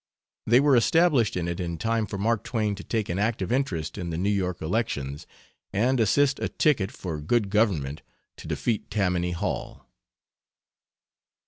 They were established in it in time for Mark Twain to take an active interest in the New York elections and assist a ticket for good government to defeat Tammany Hall.